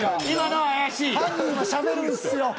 犯人はしゃべるんすよ。